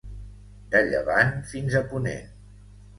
De llevant fins a ponent.